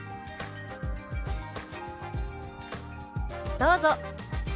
どうぞ。